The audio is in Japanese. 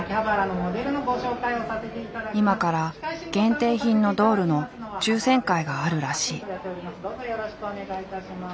今から限定品のドールの抽選会があるらしい。